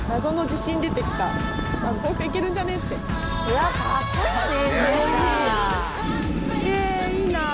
わあかっこいいね！